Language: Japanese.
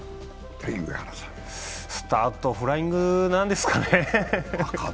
スタート、フライングなんですかね。